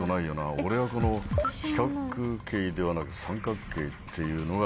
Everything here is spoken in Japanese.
俺はこの四角形ではなく三角形っていうのが何か。